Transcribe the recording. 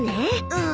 うん。